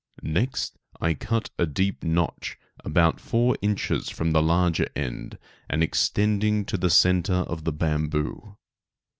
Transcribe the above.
Next I cut a deep notch about four inches from the larger end, and extending to the centre of the bamboo.